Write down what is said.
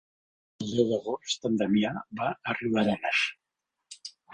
El deu d'agost en Damià va a Riudarenes.